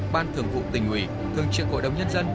ban thường vụ tình hủy thương trưởng hội đồng nhân dân